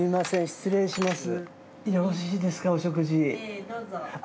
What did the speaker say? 失礼します。